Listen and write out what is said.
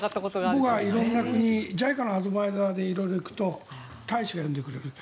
僕は色んな国ＪＩＣＡのアドバイザーで色々行くと大使が呼んでくれる。